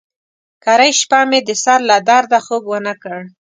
کرۍ شپه مې د سر له درده خوب ونه کړ.